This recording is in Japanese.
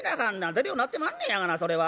出るようになってまんねやがなそれは」。